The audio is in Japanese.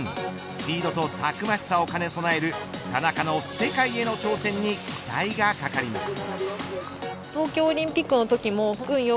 スピードとたくましさを兼ね備える田中の世界への挑戦に期待がかかります。